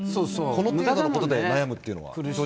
この程度のことで悩むというのは。